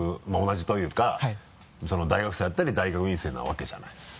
まぁ同じというか大学生だったり大学院生なわけじゃない？